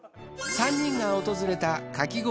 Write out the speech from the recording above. ３人が訪れたかき氷